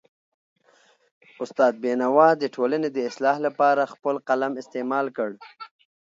استاد بینوا د ټولنې د اصلاح لپاره خپل قلم استعمال کړ.